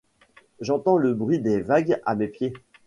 J'entends le bruit des vagues à mes pieds.